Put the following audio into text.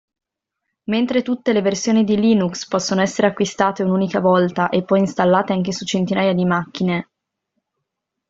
Mentre tutte le versioni di Linux possono essere acquistate un'unica volta e poi installate anche su centinaia di macchine.